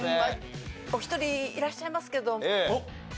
お一人いらっしゃいますけど。